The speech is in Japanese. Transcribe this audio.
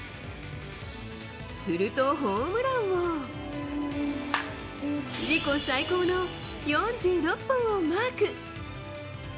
すると、ホームランは、自己最高の４６本をマーク。